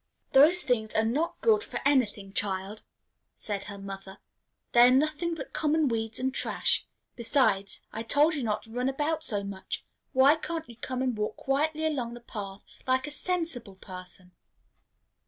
"Those things are not good for any thing, child," said her mother. "They are nothing but common weeds and trash. Besides, I told you not to run about so much. Why can't you come and walk quietly along the path, like a sensible person?"